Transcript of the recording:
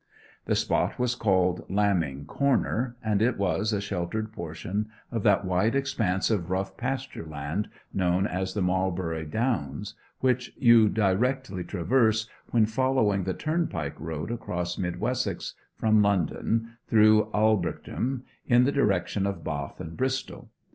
The spot was called Lambing Corner, and it was a sheltered portion of that wide expanse of rough pastureland known as the Marlbury Downs, which you directly traverse when following the turnpike road across Mid Wessex from London, through Aldbrickham, in the direction of Bath and Bristol.